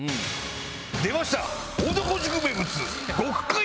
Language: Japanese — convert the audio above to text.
出ました！